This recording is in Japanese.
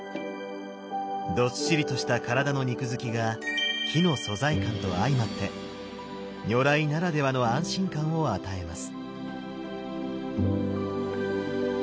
どっしりとした体の肉づきが木の素材感と相まって如来ならではの安心感を与えます。